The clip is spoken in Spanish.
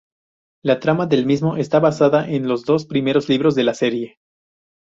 La trama del mismo está basada en los dos primeros libros de la serie.